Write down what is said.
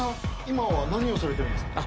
今は何をされてるんですか？